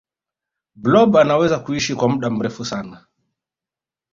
blob anaweza kuishi kwa muda mrefu sana